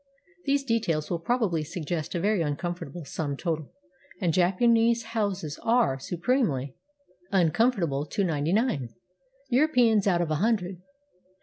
These details will probably suggest a very uncomfort able sum total; and Japanese houses are supremely uncomfortable to ninety nine Europeans out of a hun dred.